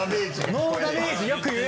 ノーダメージよく言う。